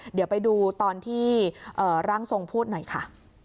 เดี๋ยวไปดูตอนที่ร่างทรงพูดหน่อยค่ะ